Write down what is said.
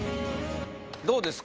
どうですか？